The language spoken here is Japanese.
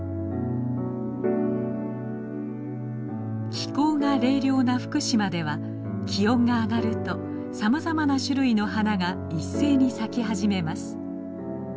気候が冷涼な福島では気温が上がるとさまざまな種類の花が一斉に咲き始めます。